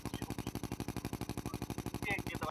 ژوند مهم دی خو د ظلم پر وړاندي نه .